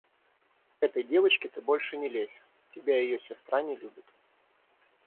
К этой девочке ты больше не лезь: тебя ее сестра не любит.